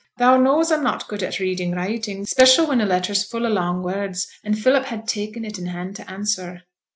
Thou knows I'm not good at reading writing, 'special when a letter's full o' long words, and Philip had ta'en it in hand to answer.'